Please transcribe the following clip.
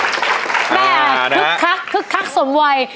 แบกคึกคักคึกคักสมไว้